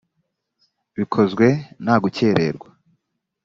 bikozwe nta gukererwa